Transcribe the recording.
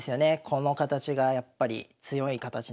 この形がやっぱり強い形なんですよ。